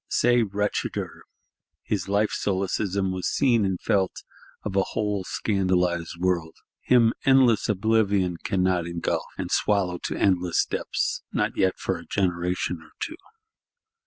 Say, wretcheder! His Life solecism was seen and felt of a whole scandalised world; him endless Oblivion cannot engulf, and swallow to endless depths,—not yet for a generation or two.